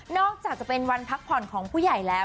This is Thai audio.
อกจากจะเป็นวันพักผ่อนของผู้ใหญ่แล้ว